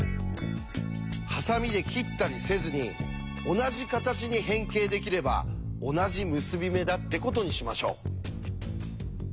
ハサミで切ったりせずに同じ形に変形できれば同じ結び目だってことにしましょう。